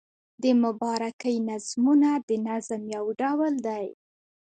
د مبارکۍ نظمونه د نظم یو ډول دﺉ.